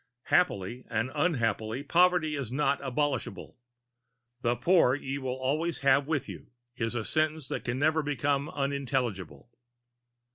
Happily and unhappily poverty is not abolishable: "The poor ye have always with you" is a sentence that can never become unintelligible.